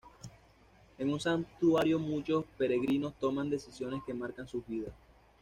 En un santuario muchos peregrinos toman decisiones que marcan sus vidas.